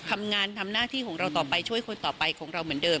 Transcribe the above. ทำหน้าที่ของเราต่อไปช่วยคนต่อไปของเราเหมือนเดิม